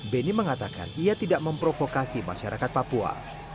beni mengatakan ia tidak memprovokasi masyarakat papua